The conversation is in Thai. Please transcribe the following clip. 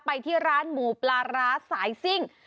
ไปที่ร้านหมูปลาร้าสายซิ่ง